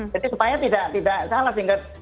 jadi supaya tidak salah singkat